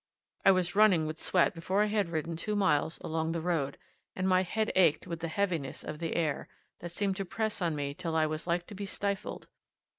I was running with sweat before I had ridden two miles along the road, and my head ached with the heaviness of the air, that seemed to press on me till I was like to be stifled.